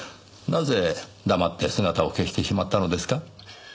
なぜ黙って姿を消してしまったのですか？